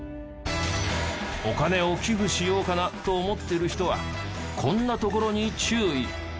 お金を寄付しようかなと思ってる人はこんなところに注意。